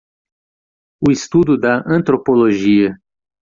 O estudo da Antropologia.